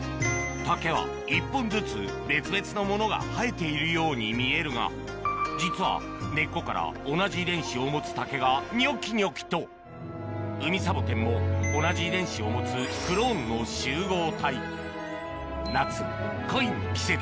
竹は１本ずつ別々のものが生えているように見えるが実は根っこから同じ遺伝子を持つ竹がニョキニョキとウミサボテンも同じ遺伝子を持つ夏恋の季節